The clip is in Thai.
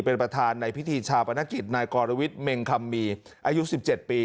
เป็นประธานในพิธีชาปนกิจนายกรวิทย์เมงคัมมีอายุ๑๗ปี